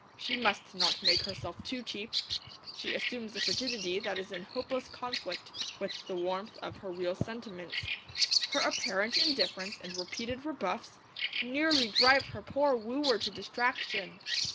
She must not make herself too cheap. She assumes a frigidity that is in hopeless conflict with the warmth of her real sentiments. Her apparent indifference and repeated rebuffs nearly drive her poor wooer to distraction.